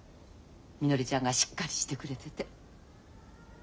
みのりちゃんがしっかりしてくれてて。